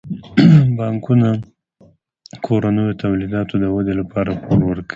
بانکونه د کورنیو تولیداتو د ودې لپاره پور ورکوي.